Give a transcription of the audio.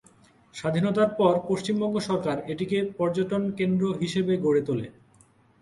স্বাধীনতার পর পশ্চিমবঙ্গ সরকার এটিকে পর্যটন কেন্দ্র হিসাবে গড়ে তোলে।